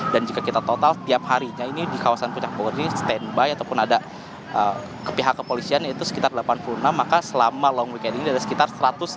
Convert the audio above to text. dan jika kita total tiap harinya ini di kawasan puncak bogor ini standby ataupun ada pihak kepolisiannya itu sekitar delapan puluh enam